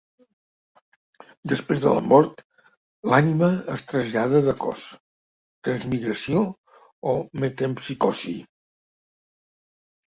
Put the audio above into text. Després de la mort, l'ànima es trasllada de cos: transmigració o metempsicosi.